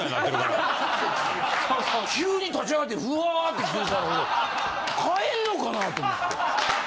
急に立ち上がってふわって来るから俺帰んのかなと思って。